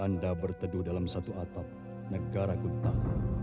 anda berteduh dalam satu atap negara guntang